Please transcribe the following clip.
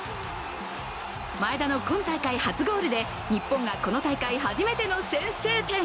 前田の今大会初ゴールで日本がこの大会初めての先制点。